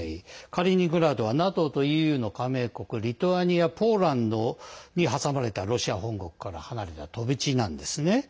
カリーニングラードはＮＡＴＯとＥＵの加盟国リトアニア、ポーランドに挟まれたロシア本国から離れた飛び地なんですね。